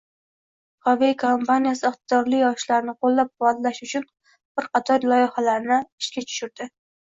Huawei kompaniyasi iqtidorli yoshlarni qo‘llab-quvvatlash uchun bir qator loyihalarni ishga tushirdi